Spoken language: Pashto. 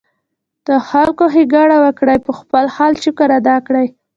د خلکو ښېګړه وکړي ، پۀ خپل حال شکر ادا کړي